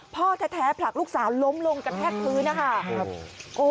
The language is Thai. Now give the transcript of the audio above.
พ่อแท้ผลักลูกสาวล้มลงกระแทกพื้นนะคะ